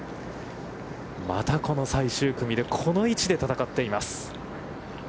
またこの最終組でこの位置で戦っています。